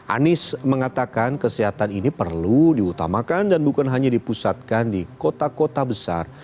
anies mengatakan kesehatan ini perlu diutamakan dan bukan hanya dipusatkan di kota kota besar